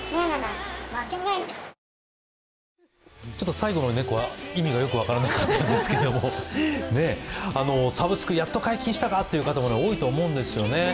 最後の猫は意味がよく分からなかったですけれども、サブスク、やっと解禁したかという方も多いと思うんですね。